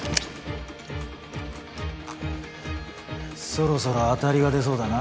そろそろ当たりが出そうだな。